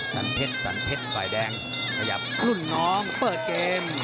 สันเพชรฝ่ายแดงขยับรุ่นน้องเปิดเกม